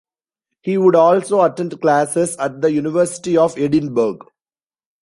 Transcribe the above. He would also attend classes at the University of Edinburgh.